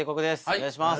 お願いします。